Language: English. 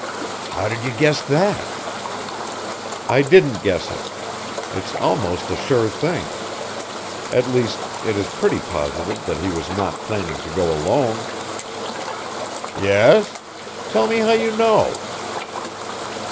"How did you guess that?" "I didn't guess it. It's almost a sure thing. At least, it is pretty positive that he was not planning to go alone." "Yes? Tell me how you know."